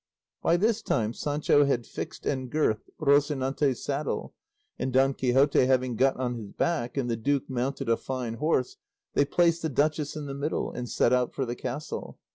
By this time Sancho had fixed and girthed Rocinante's saddle, and Don Quixote having got on his back and the duke mounted a fine horse, they placed the duchess in the middle and set out for the castle.